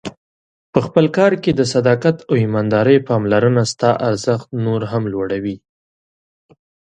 په خپل کار کې د صداقت او ایماندارۍ پاملرنه ستا ارزښت نور هم لوړوي.